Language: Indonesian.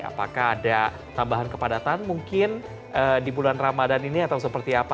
apakah ada tambahan kepadatan mungkin di bulan ramadan ini atau seperti apa